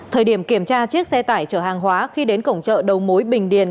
thời điểm kiểm tra chiếc xe tải chở hàng hóa khi đến cổng chợ đầu mối bình điền